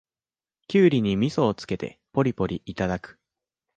キュウリにみそをつけてポリポリいただく